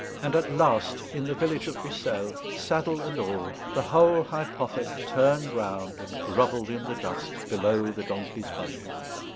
And at last, in the village of Ussel, saddle and all, the whole hypothec, turned round and grovelled in the dust below the donkey's belly.